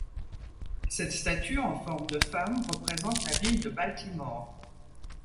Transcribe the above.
Cette statue en forme de femme représente la ville de Baltimore.